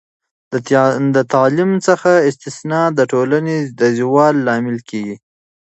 د تعلیم څخه استثنا د ټولنې د زوال لامل کیږي.